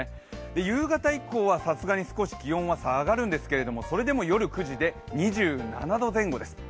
夕方以降はさすがに少し気温は下がるんですけれどもそれでも夜９時で２７度前後です。